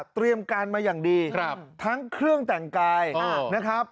เตรียมการมาอย่างดีทั้งเครื่องแต่งกายนะครับ